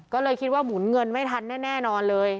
ก็เลยคิดว่าหมุนเงินไม่ทันแน่นอนเลย